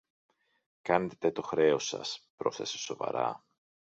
Κάνετε το χρέος σας, πρόσθεσε σοβαρά.